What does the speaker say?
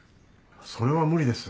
それは無理です。